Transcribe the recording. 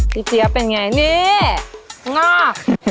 พี่เจ๊ะเป็นไงนี่นอก